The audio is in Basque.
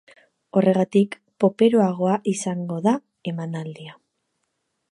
Horregatik, poperoagoa izango da emanaldia.